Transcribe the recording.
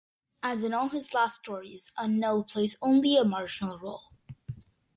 As in all his last stories, Unknow plays only a marginal role.